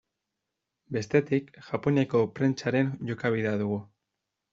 Bestetik, Japoniako prentsaren jokabidea dugu.